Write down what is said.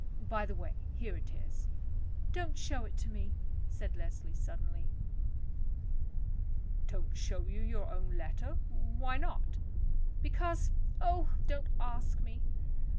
By the way, here it is." "Don't show it to me," said Leslie suddenly. "Don't show you your own letter? Why not?" "Because—oh, don't ask me."